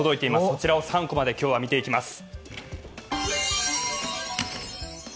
こちらを「３コマ」で今日は見ていきます。